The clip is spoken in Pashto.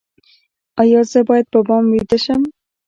ایا زه باید په بام ویده شم؟